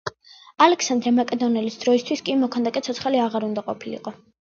ალექსანდრე მაკედონელის დროისთვის, კი მოქანდაკე ცოცხალი აღარ უნდა ყოფილიყო.